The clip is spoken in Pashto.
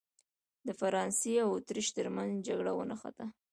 د فرانسې او اتریش ترمنځ جګړه ونښته.